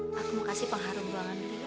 aku mau kasih pengharum buangan diri ya